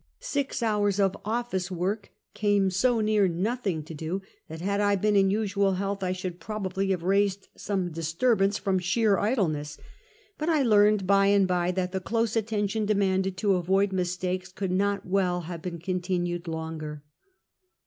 Six hours of office work came so near nothing to do, that had I been in usual health I should probably have raised some disturbance from sheer idleness; but I learned by and by that the close attention demanded to avoid mistakes, could not well have been continued longer.